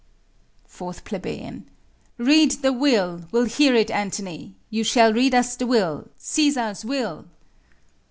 4 Ple. Read the will; we'll hear it, Antony! You shall read us the will! Cæsar's will!